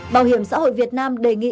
bảo hiểm xã hội việt nam đề nghị